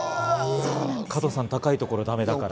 加藤さん、高いところダメだから。